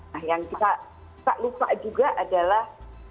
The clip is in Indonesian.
nah yang kita tak lupa juga adalah